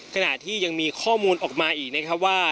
ขณะที่ยังมีข้อมูลออกมาอีกนะครับว่า